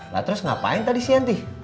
lah terus ngapain tadi si yanti